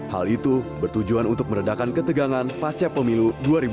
hal itu bertujuan untuk meredakan ketegangan pasca pemilu dua ribu dua puluh